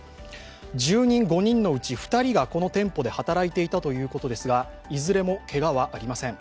住人５人の内２人がこの店舗で働いていたということですがいずれもけがはありません。